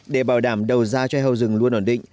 để bảo đảm đầu ra cho hầu rừng luôn ổn định